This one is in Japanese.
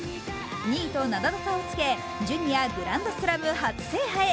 ２位と７打差をつけ、ジュニアグランドスラム初制覇へ。